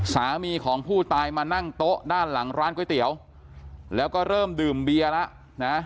สามีของผู้ตายมานั่งโต๊ะด้านหลังร้านก๋วยเตี๋ยวแล้วก็เริ่มดื่มเบียร์แล้วนะ